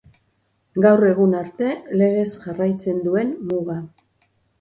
Gaur egun arte legez jarraitzen duen muga.